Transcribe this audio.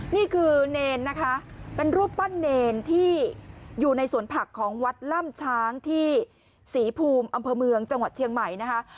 นี่คือเนรนะคะเป็นรูปปั้นเนรที่อยู่ในสวนผักของวัดล่ำช้างที่ศรีภูมิอำเภอเมืองจังหวัดเชียงใหม่นะคะ